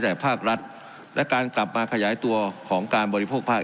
แต่ภาครัฐและการกลับมาขยายตัวของการบริโภคภาค